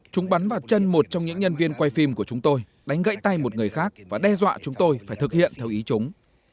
chúng bắn vào chân một trong những nhân viên quay phim của chúng tôi đánh gãy tay một người khác và đe dọa chúng tôi phải thực hiện theo ý chúng